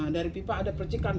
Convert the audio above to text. dari pipa ada percikan